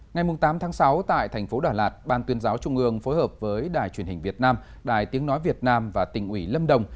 ngày tám tháng sáu tại thành phố đà lạt ban tuyên giáo trung ương phối hợp với đài truyền hình việt nam đài tiếng nói việt nam và tỉnh ủy lâm đồng